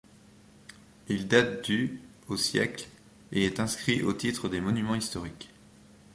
Il date du au siècle et est inscrit au titre des monuments historiques.